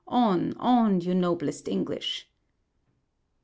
On, on, you noblest English."